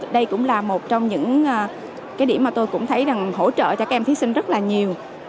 đây cũng là một trong những cái điểm mà tôi cũng thấy rằng hỗ trợ cho các em thí sinh rất là nhiều